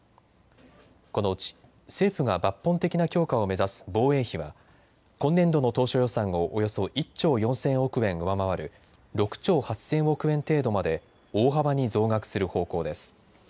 このうち政府が抜本的な強化を目指す防衛費は今年度の当初予算をおよそ１兆４０００億円上回る６兆８０００億円程度まで大幅に増額する方向です。